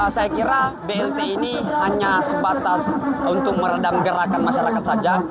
saya kira blt ini hanya sebatas untuk meredam gerakan masyarakat saja